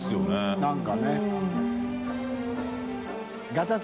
何かね。